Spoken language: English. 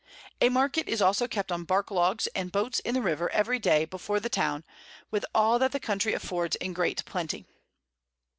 A Market is also kept on Bark Logs and Boats in the River every day before the Town, with all that the Country affords in great plenty.